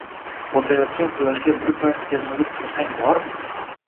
botayotgan quyoshga birpas termilib tursang bormi...